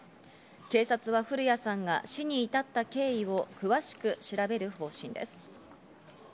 警察は古屋さんが死に至った経緯を詳しく調べる方針です。